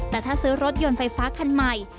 แต่ถ้าซื้อรถยนต์ไฟฟ้าคันใหม่